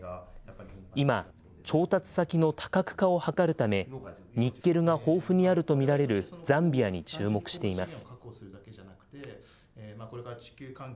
今、調達先の多角化を図るため、ニッケルが豊富にあると見られるザンビアに注目しています。